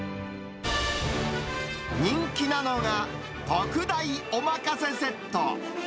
人気なのが、特大おまかせセット。